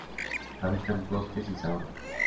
Habitan bosques y sabanas.